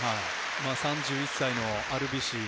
３１歳のアルビシ。